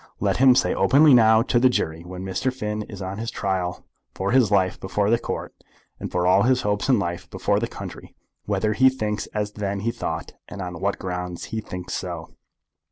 Let him say openly, now, to the jury, when Mr. Finn is on his trial for his life before the Court, and for all his hopes in life before the country, whether he thinks as then he thought, and on what grounds he thinks so."